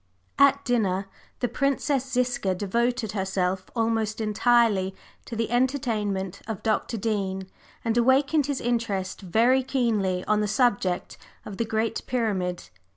At dinner, the Princess Ziska devoted herself almost entirely to the entertainment of Dr. Dean, and awakened his interest very keenly on the subject of the Great Pyramid.